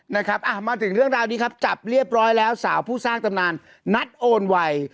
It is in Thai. นะครับอ่ะมาถึงเรื่องราวนี้ครับจับเรียบร้อยแล้วสาวผู้สร้างตำนานนัดโอนไว